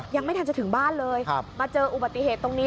ยังไม่ทันจะถึงบ้านเลยมาเจออุบัติเหตุตรงนี้